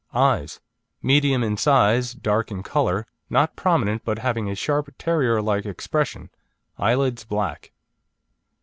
EYES Medium in size, dark in colour, not prominent, but having a sharp, terrier like expression, eyelids black.